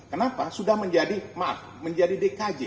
kenapa sudah menjadi dkj